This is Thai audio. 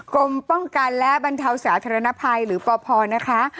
กรมป้องกันและบรรเทาสาธารณภัยหรือปพนะคะ